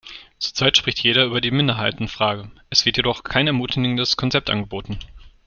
Zurzeit spricht jeder über die Minderheitenfrage, es wird jedoch kein ermutigendes Konzept angeboten.